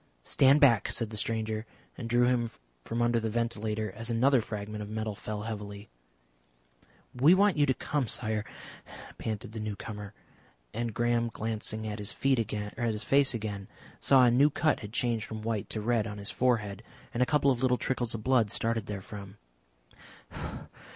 "Stand back," said the stranger, and drew him from under the ventilator as another fragment of metal fell heavily. "We want you to come, Sire," panted the newcomer, and Graham glancing at his face again, saw a new cut had changed from white to red on his forehead, and a couple of little trickles of blood starting therefrom.